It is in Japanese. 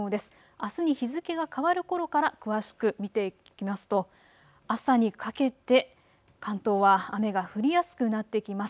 あすに日付が変わるころから詳しく見ていきますと朝にかけて関東は雨が降りやすくなってきます。